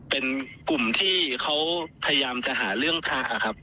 เป็นกลุ่มที่เขาพยายามจะหาเรื่องพระครับ